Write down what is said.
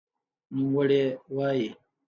نوموړې وايي